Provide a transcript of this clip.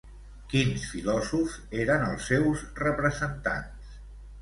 Quins filòsofs eren els seus representants?